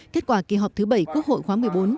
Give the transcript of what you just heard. kết quả kỳ họp thứ bảy quốc hội khóa một mươi bốn